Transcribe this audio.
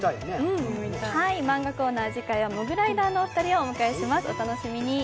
マンガコーナー、次回はモグライダーのお二人をお迎えします。